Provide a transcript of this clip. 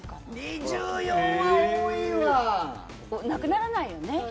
なくならないよね。